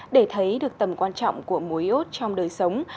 để thấy được tầm quan trọng của mối iốt trong đời sống